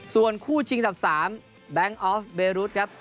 ส่วนคู่ชิงทรัพย์๓แบงค์ออฟเบรุทครับ